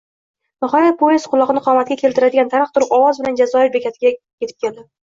Nihoyat, poezd quloqni qomatga keltiradigan taraq-turuq ovoz bilan Jazoir bekatiga etib keldi